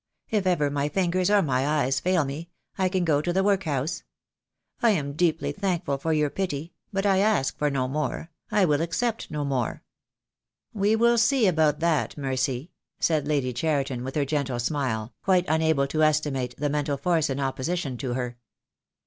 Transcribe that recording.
If ever my fingers or my eyes fail me — I can go to the workhouse. I am deeply thank ful for your pity — but I ask for no more, I will accept no more." "We will see about that, Mercy," said Lady Cheriton, with her gentle smile, quite unable to estimate the mental force in opposition to her.